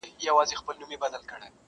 چي مي هر څه غلا کول دې نازولم؛